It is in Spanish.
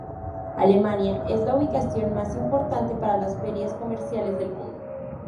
Alemania es la ubicación más importante para las ferias comerciales del mundo.